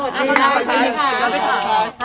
โจจิปได้นะคะ